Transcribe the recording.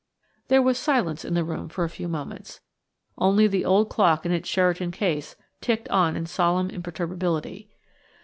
There was silence in the room for a few moments. Only the old clock in its Sheraton case ticked on in solemn imperturbability.